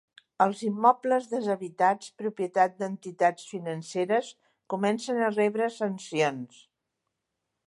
Els immobles deshabitats propietat d'entitats financeres comencen a rebre sancions